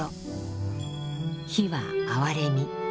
「悲」は哀れみ。